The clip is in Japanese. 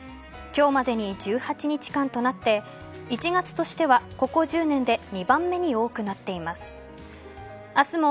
今日までに１８日間となって１月としては、ここ１０年で２番目に多くなっています。